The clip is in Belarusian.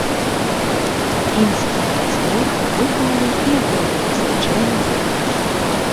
Пінскія майстры выканалі і гэты незвычайны заказ.